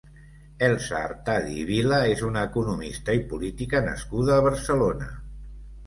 Elsa Artadi i Vila és una economista i política nascuda a Barcelona.